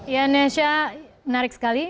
ya nesya menarik sekali